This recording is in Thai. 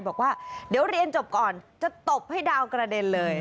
บอกว่าเดี๋ยวเรียนจบก่อนจะตบให้ดาวกระเด็นเลย